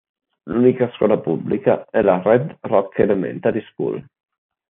L'unica scuola pubblica è la Red Rock Elementary School.